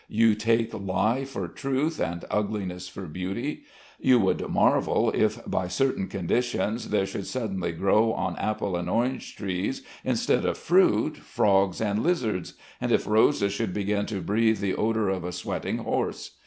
You take lie for truth and ugliness for beauty. You would marvel if by certain conditions there should suddenly grow on apple and orange trees, instead of fruit, frogs and lizards, and if roses should begin to breathe the odour of a sweating horse.